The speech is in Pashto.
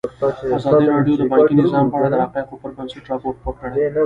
ازادي راډیو د بانکي نظام په اړه د حقایقو پر بنسټ راپور خپور کړی.